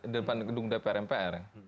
depan gedung dpr mpr